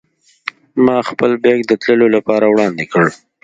ما خپل بېک د تللو لپاره وړاندې کړ.